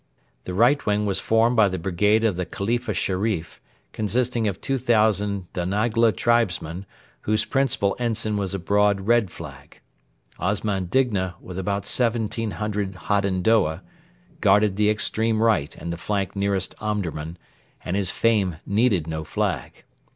The right wing was formed by the brigade of the Khalifa Sherif, consisting of 2,000 Danagla tribesmen, whose principal ensign was a broad red flag. Osman Digna, with about 1,700 Hadendoa, guarded the extreme right and the flank nearest Omdurman, and his fame needed no flag.